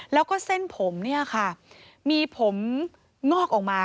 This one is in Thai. แล้วก็เส้นผมเนี่ยค่ะมีผมงอกออกมา